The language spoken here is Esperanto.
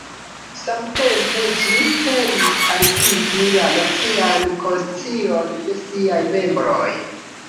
Samtempe ĝi celis altigi la nacian konscion de siaj membroj.